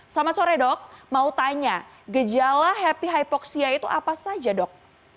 selamat sore dok mau tanya gejala happy hypoxia itu apa saja dok